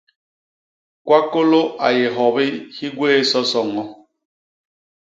Kwakôlô a yé hyobi hi gwé soso ñño.